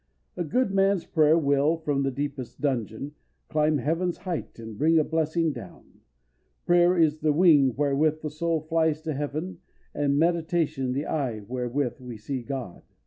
A good man's prayer will, from the deepest dungeon, climb heaven's height, and bring a blessing down. Prayer is the wing wherewith the soul flies to heaven, and meditation the eye wherewith we see God.